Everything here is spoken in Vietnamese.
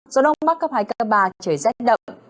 gió đông bắc cấp hai cấp ba trời rét đậm